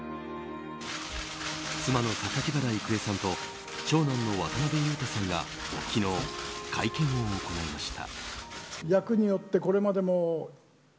妻の榊原郁恵さんと長男の渡辺裕太さんが昨日、会見を行いました。